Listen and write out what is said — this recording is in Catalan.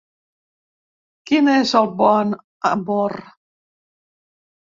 Quin és el bon amor?